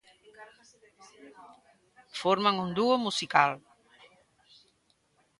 Forman un dúo musical.